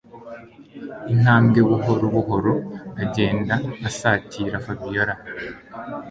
intamwe buhoro buhoro agenda asatira Fabiora